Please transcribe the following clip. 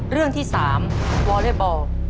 เรื่องที่๓วอเล็กบอล